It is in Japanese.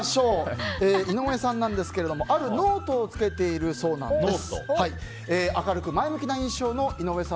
井上さんですが、あるノートをつけているそうなんです。